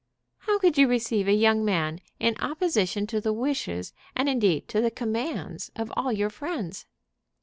"How could you receive a young man in opposition to the wishes, and indeed to the commands, of all your friends?"